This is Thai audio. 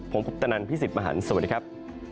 ผมพุทธนันทร์พี่สิทธิ์มหันต์สวัสดีครับ